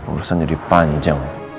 urusan jadi panjang